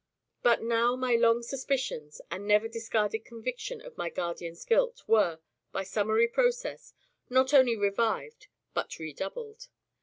But now my long suspicions, and never discarded conviction of my guardian's guilt, were, by summary process, not only revived, but redoubled.